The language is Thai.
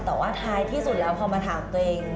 แต่ว่าท้ายที่สุดแล้วพอมาถามตัวเอง